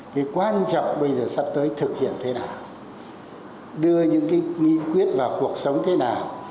cái quan trọng bây giờ sắp tới thực hiện thế nào đưa những cái nghị quyết vào cuộc sống thế nào